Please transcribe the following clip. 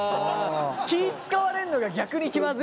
気ぃ遣われるのが逆に気まずい感じね。